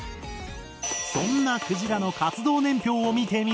そんなくじらの活動年表を見てみると。